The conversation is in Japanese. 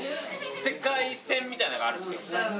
みたいなのがあるんですよ。